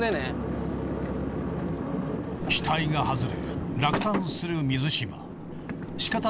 期待が外れ落胆する水嶋。